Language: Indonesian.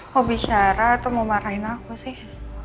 mau bicara tuh mau marahin aku sih